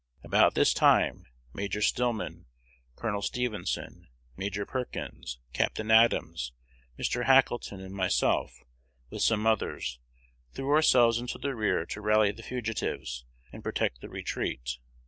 About this time Major Stillman, Col. Stephenson, Major Perkins, Capt. Adams, Mr. Hackelton, and myself, with some others, threw ourselves into the rear to rally the fugitives and protect the retreat.